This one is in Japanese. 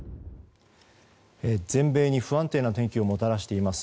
全米に不安定な天気をもたらしています